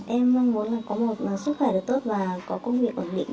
em muốn là có một sức khỏe tốt và có công việc quản luyện